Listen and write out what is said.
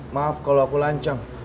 maaf kalau aku lancang